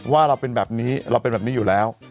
ว่าเราเป็นแบบนี้เราเป็นแบบนี้อยู่แล้ว